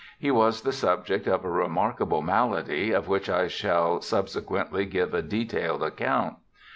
He was the subject of a remarkable malady of which I shall subsequently give a detailed account.